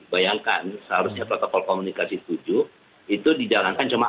bayangkan seharusnya protokol komunikasi tujuh itu dijalankan cuma empat